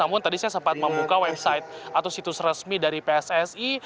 namun tadi saya sempat membuka website atau situs resmi dari pssi